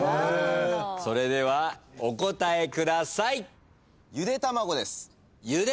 それではお答えください！